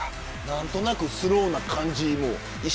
何となくスローな感じに。